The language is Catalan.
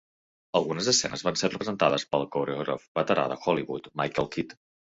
Algunes escenes van ser representades pel coreògraf veterà de Hollywood Michael Kidd.